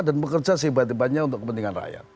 dan bekerja seibat ibatnya untuk kepentingan rakyat